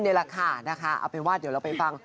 นั่นไงค่ะ